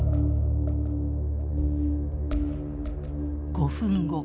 ５分後。